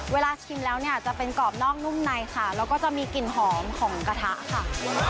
ชิมแล้วเนี่ยจะเป็นกรอบนอกนุ่มในค่ะแล้วก็จะมีกลิ่นหอมของกระทะค่ะ